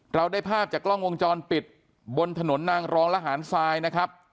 เราได้ภาพจากกล้องวงจรปิดบนถนนนางรองระหารทรายนะครับ